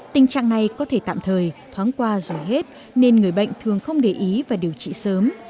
tình trạng này có thể tạm thời thoáng qua rồi hết nên người bệnh thường không để ý và điều trị sớm